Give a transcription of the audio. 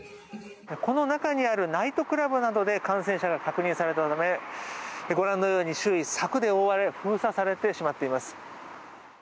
この中にあるナイトクラブなどで感染者が確認されたためご覧のように周囲、柵で覆われ封鎖されてしまっています。